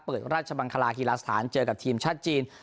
ราชบังคลาฮีลาสถานเจอกับทีมชาติจีน